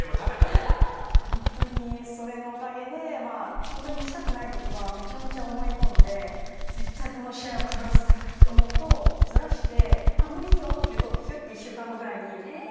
ホントにそれのおかげでホントにきたくないときはめちゃめちゃ思い込んで絶対この試合はかぶらせたくないって思うとずらしてもういいよっていうとヒュッて一週間後くらいに出て。